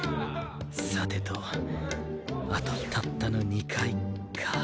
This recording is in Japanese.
さてとあとたったの２回か。